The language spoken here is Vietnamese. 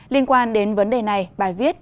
liên quan đến vấn đề này bài viết